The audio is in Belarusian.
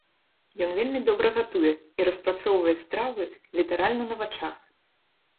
Ён вельмі добра гатуе і распрацоўвае стравы літаральна на вачах.